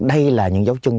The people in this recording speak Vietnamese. đây là những dấu chân